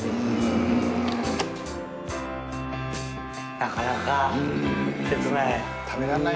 なかなかせつない。